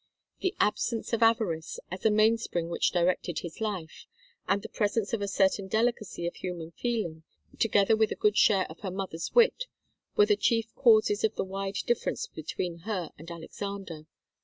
The absence of avarice, as a mainspring which directed his life, and the presence of a certain delicacy of human feeling, together with a good share of her mother's wit, were the chief causes of the wide difference between her and Alexander.